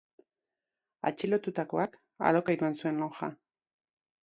Atxilotutakoak alokairuan zuen lonja.